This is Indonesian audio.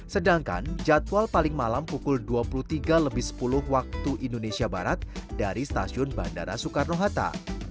sedangkan jadwal paling malam pukul dua puluh tiga sepuluh wib dari stasiun bandara soekarno hatta